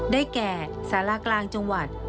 ได้แก่สารากลางจังหวัด